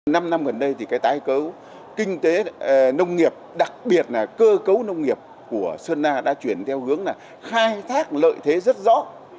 năm năm gần đây thì cái tái cấu kinh tế nông nghiệp đặc biệt là cơ cấu nông nghiệp của sơn la đã chuyển theo hướng là khai thác lợi thế rất rõ